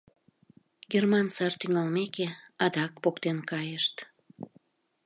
Герман сар тӱҥалмеке, адак поктен кайышт...